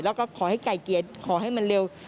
แล้วก็ขอให้ไก่เกลียดขอให้มันเร็ว